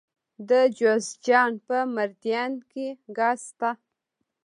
د جوزجان په مردیان کې ګاز شته.